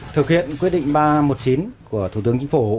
thực hiện quyết định ba trăm một mươi chín của thủ tướng chính phủ